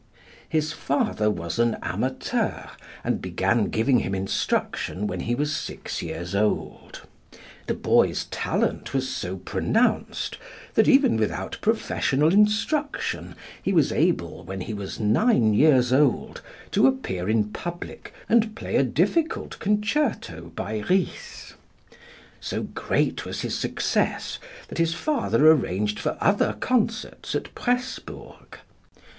His father was an amateur, and began giving him instruction when he was six years old. The boy's talent was so pronounced that even without professional instruction he was able, when he was nine years old, to appear in public and play a difficult concerto by Ries. So great was his success that his father arranged for other concerts at Pressburg.